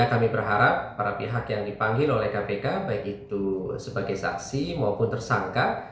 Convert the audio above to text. kami berharap para pihak yang dipanggil oleh kpk baik itu sebagai saksi maupun tersangka